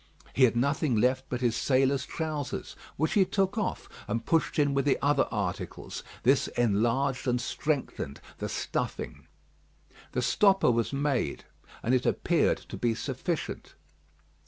He had nothing left but his sailor's trousers, which he took off, and pushed in with the other articles. This enlarged and strengthened the stuffing. The stopper was made, and it appeared to be sufficient.